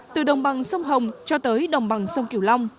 từ đồng bằng sông hồng cho tới đồng bằng sông kiểu long